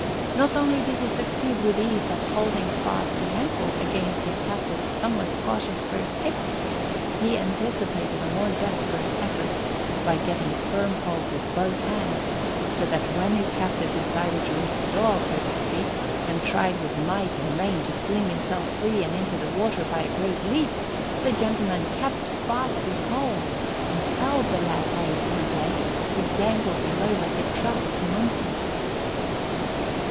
Not only did he succeed with ease in holding the ankle fast against his captive's somewhat cautious first kicks; he anticipated a more desperate effort by getting firm hold with both hands, so that when his captive decided to risk all, so to speak, and tried with might and main to fling himself free and into the water by a great leap, the gentleman kept fast his hold and held the lad by his one leg, who dangled below like a trapped monkey.